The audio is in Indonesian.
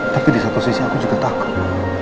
tapi di satu sisi aku juga takut